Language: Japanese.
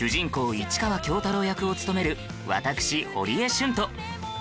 市川京太郎役を務める私堀江瞬と